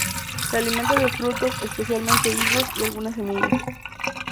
Se alimenta de frutos, especialmente higos, y algunas semillas.